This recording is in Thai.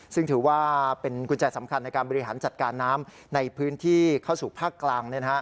ซึ่งถือว่าเป็นกุญแจสำคัญในการบริหารจัดการน้ำในพื้นที่เข้าสู่ภาคกลาง